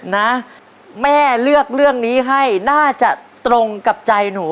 นะแม่เลือกเรื่องนี้ให้น่าจะตรงกับใจหนู